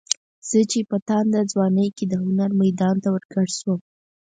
زه چې په تانده ځوانۍ کې د هنر میدان ته ورګډ شوم.